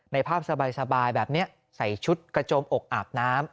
ภาพสบายแบบนี้ใส่ชุดกระโจมอกอาบน้ำ